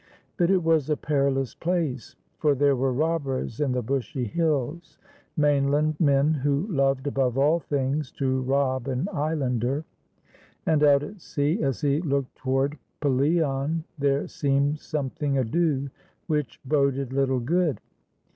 But it was a perilous place, for there were robbers in the bushy hills — mainland men who loved above all things to rob an islander ; and out at sea, as he looked toward Pelion, there seemed something ado which boded Httle good.